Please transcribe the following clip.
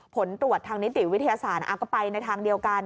ผลตรวจทางนิติวิทยาศาสตร์ก็ไปในทางเดียวกัน